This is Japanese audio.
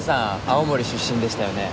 青森出身でしたよね？